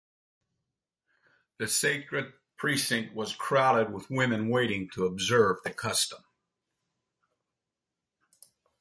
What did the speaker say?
The sacred precinct was crowded with women waiting to observe the custom.